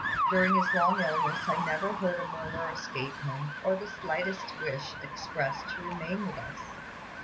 During his long illness I never heard a murmur escape him, or the slightest wish expressed to remain with us.